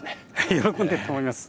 喜んでると思います。